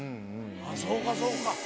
そうかそうか。